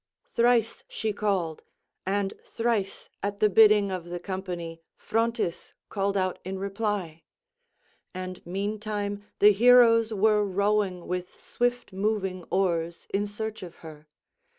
Thrice she called, and thrice at the bidding of the company Phrontis called out in reply; and meantime the heroes were rowing with swift moving oars in search of her.